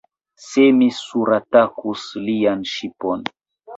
Se mi suratakus lian ŝipon!